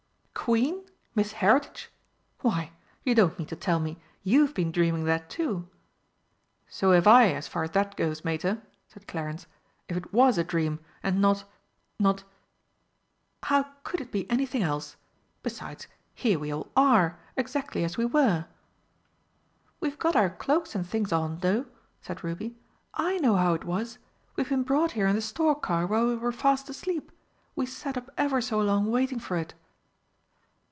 "Queen! Miss Heritage! Why, you don't mean to tell me you've been dreaming that too?" "So have I, as far as that goes, mater," said Clarence. "If it was a dream, and not not " "How could it be anything else? Besides, here we all are, exactly as we were!" "We've got our cloaks and things on, though," said Ruby. "I know how it was! We've been brought here in the stork car while we were fast asleep. We sat up ever so long waiting for it."